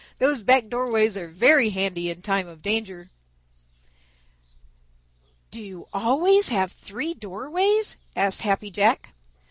Those back doorways are very handy in time of danger." "Do you always have three doorways?" asked Happy Jack.